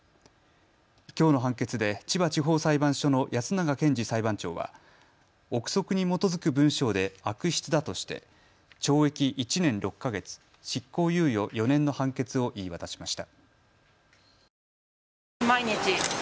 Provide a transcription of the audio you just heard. きょうの判決で千葉地方裁判所の安永健次裁判長は憶測に基づく文章で悪質だとして懲役１年６か月、執行猶予４年の判決を言い渡しました。